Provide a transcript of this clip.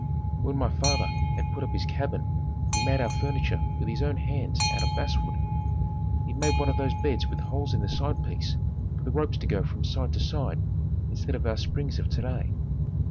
When my father had put up his cabin he made our furniture with his own hands out of basswood. He made one of those beds with holes in the side piece for the ropes to go from side to side instead of our springs of today.